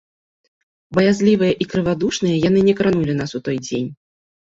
Баязлівыя і крывадушныя, яны не кранулі нас у той дзень.